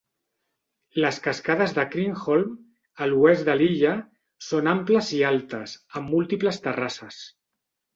Les cascades de Kreenholm, a l'oest de l'illa, són amples i altes, amb múltiples terrasses.